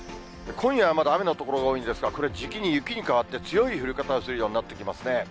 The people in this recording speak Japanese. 今夜はまだ雨の所が多いんですが、これじきに雪に変わって、強い降り方をするようになってきますね。